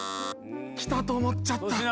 きたと思っちゃった。